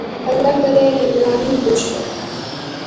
اللہ کرے عمران وی خوش وہے